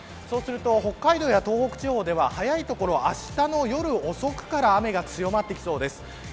北海道や東北地方では早い所はあしたの夜遅くから雨が強まってきそうです。